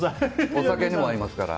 お酒にも合いますから。